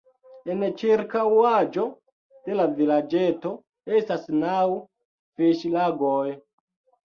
En ĉirkaŭaĵo de la vilaĝeto estas naŭ fiŝlagoj.